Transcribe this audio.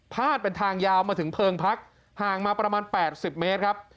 ดเป็นทางยาวมาถึงเพลิงพักห่างมาประมาณ๘๐เมตรครับ